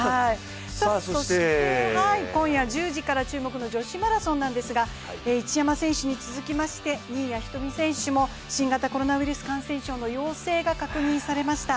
そして今夜１０時から注目の女子マラソンなんですが一山選手に続きまして、新谷仁美選手も新型コロナウイルスの陽性が確認されました。